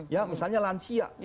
ya misalnya lansia